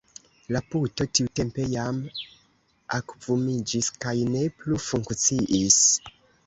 La puto tiutempe jam akvumiĝis kaj ne plu funkciis.